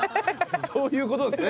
そういう事ですね。